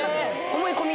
思い込み。